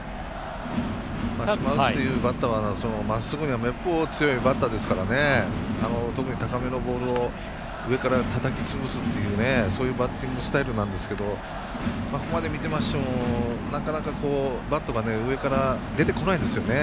島内というバッターはまっすぐにはめっぽう強いバッターですから特に高めのボールを上からたたき潰すっていうそういうバッティングスタイルなんですけど、あくまで見ていましてもバットが上から出てこないんです。